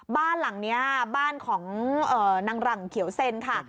บ้านหลังนี้บ้านของนางหลังเขียวเซ็นค่ะ